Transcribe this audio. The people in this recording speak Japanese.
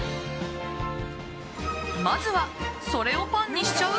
まずはそれをパンにしちゃう？